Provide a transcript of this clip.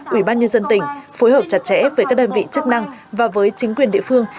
ủy ban nhân dân tỉnh phối hợp chặt chẽ với các đơn vị chức năng và với chính quyền địa phương